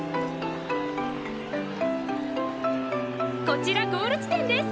こちらゴール地点です。